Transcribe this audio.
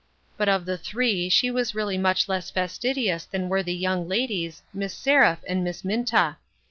But of the three she was really much less fastidious than were the young ladies, Miss Seraph and Miss Minta.